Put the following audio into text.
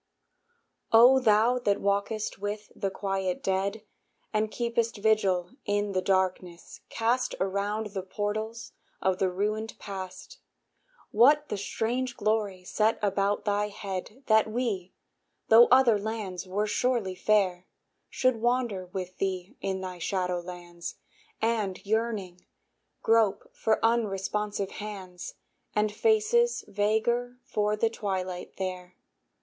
O thou that walkest with the quiet dead, And keepest vigil in the darkness cast Around the portals of the ruined past, What the strange glory set about thy head, That we, tho' other lands were surely fair, Should wander with thee in thy shadow lands, And, yearning, grope for unresponsive hands, And faces vaguer for the twilight there?